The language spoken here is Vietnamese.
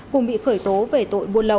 cùng bị khởi tố về tội buôn lậu